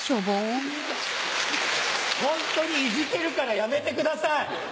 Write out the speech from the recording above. ホントにいじけるからやめてください！